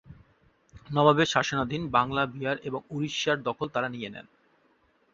নবাবের শাসনাধীন বাংলা, বিহার এবং উড়িষ্যার দখল তারা নিয়ে নেয়।